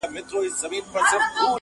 او که ریشتیا درته ووایم -